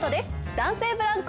男性ブランコ！